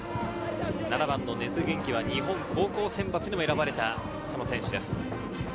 ７番の根津元輝は日本高校選抜にも選ばれた選手です。